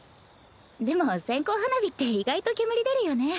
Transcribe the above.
でも線香花火って意外と煙出るよね。